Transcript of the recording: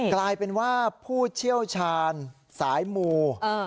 กลายเป็นว่าผู้เชี่ยวชาญสายมู